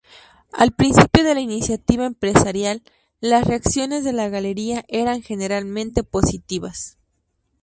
Al principio de la iniciativa empresarial, las reacciones de la galería eran generalmente positivas.